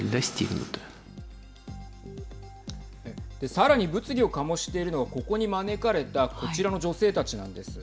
さらに物議を醸しているのはここに招かれたこちらの女性たちなんです。